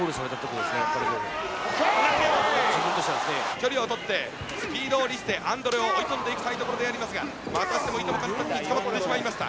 距離を取ってスピードを利してアンドレを追い込んでいきたいところでありますがまたしてもいとも簡単につかまってしまいました。